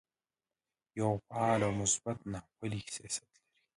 یو فعال او مثبت ناپېیلی سیاست لري.